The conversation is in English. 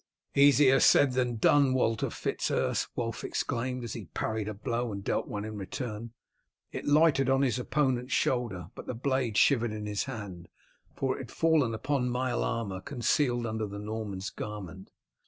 "Easier said than done, Walter Fitz Urse!" Wulf exclaimed, as he parried a blow and dealt one in return. It lighted on his opponent's shoulder, but the blade shivered in his hand, for it had fallen upon mail armour concealed under the Norman's garment.